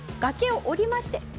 崖を下りまして。